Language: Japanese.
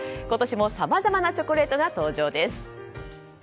今年もさまざまなチョコレートが登場です。